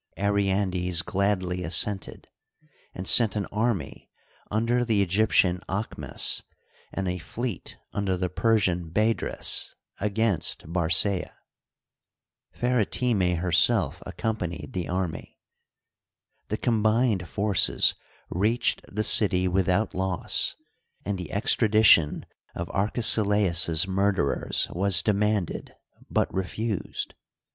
Aryandes gladly assented, and sent an army under the Egyptian Aahmes and a fleet under the Persian Badres against Barcaea. Pheretime herself accompanied the army. The combined forces reached the city without loss, and the extradition of Arke silaus's murderers was demanded but refused.